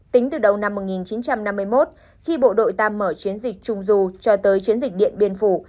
tính từ đầu năm một nghìn chín trăm năm mươi một khi bộ đội ta mở chiến dịch trung du cho tới chiến dịch điện biên phủ